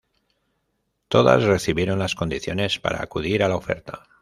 Todas recibieron las condiciones para acudir a la oferta.